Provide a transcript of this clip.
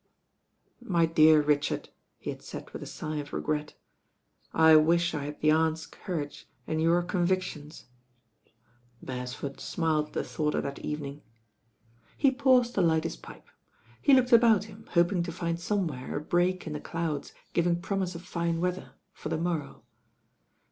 "My dear Richard," he had said with a sigh of regret, "I wish I had the Aunt's courage and your convictions." Beresford smiled at the thought of that evening. i;! M THE RAIX 6IRL He pauseu to light his pipe. He looked about him, hoping to find somewhere a break in the clouds giv ing promise of fine weather — for the morrow.